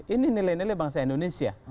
ini nilai nilai bangsa indonesia